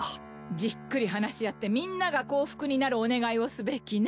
じっくり話し合ってみんなが幸福になるお願いをすべきね。